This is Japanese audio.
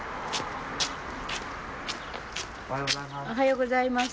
おはようございます。